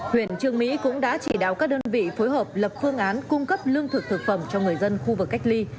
huyện trường mỹ cũng đã chỉ đáo các đơn vị phối hợp lập phương án cung cấp lương thực thực phẩm cho người dân khu vực cách ly